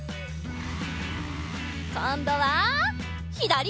こんどはひだり！